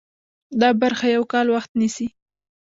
دا برخه یو کال وخت نیسي.